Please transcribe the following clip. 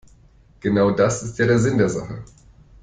Genau das ist ja Sinn der Sache.